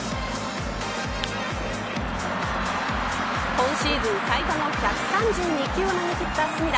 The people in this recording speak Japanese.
今シーズン最多の１３２球を投げきった隅田。